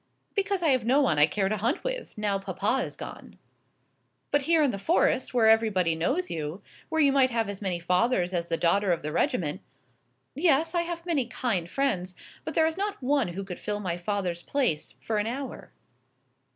"Because I have no one I care to hunt with, now papa is gone." "But here in the Forest, where everybody knows you, where you might have as many fathers as the Daughter of the Regiment " "Yes, I have many kind friends. But there is not one who could fill my father's place for an hour."